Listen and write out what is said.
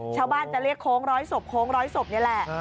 ชาวบ้านจะเรียกโค้งร้อยศพโค้งร้อยศพนี่แหละ